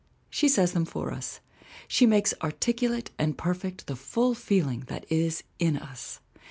She says them for us. She makes articulate and perfect the full feeling that is in us.